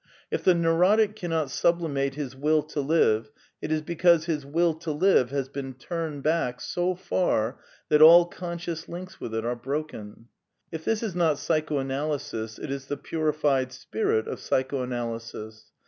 If the neurotic cannot sublimate his Will to live it is because his Will to live has been turned back sck ' far that all conscious links with it are broken. If this is not psychoanalysis, it is the purified spirit of psychoanalysis.